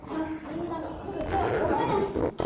３みんなが来るとは思えない。